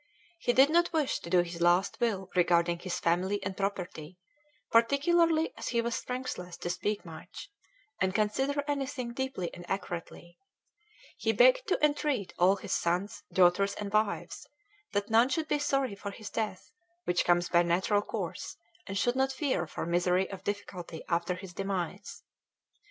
He did not wish to do his last will regarding his family and property, particularly as he was strengthless to speak much, and consider anything deeply and accurately: he beg'd to entreat all his sons, daughters, and wives that none should be sorry for his death, which comes by natural course, and should not fear for misery of difficulty after his demise.